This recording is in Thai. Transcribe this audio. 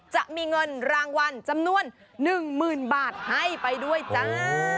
จะมีเงินรางวัลจำนวน๑๐๐๐บาทให้ไปด้วยจ้า